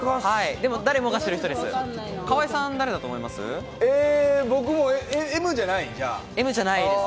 でも誰もが知る人です。